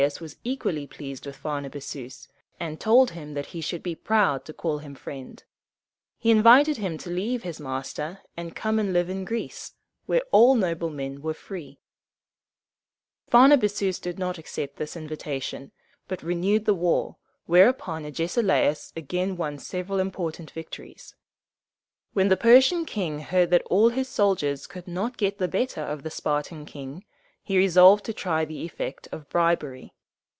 Agesilaus was equally pleased with Pharnabazus, and told him that he should be proud to call him friend. He invited him to leave his master, and come and live in Greece, where all noble men were free. Pharnabazus did not accept this invitation, but renewed the war, whereupon Agesilaus again won several important victories. When the Persian king heard that all his soldiers could not get the better of the Spartan king, he resolved to try the effect of bribery.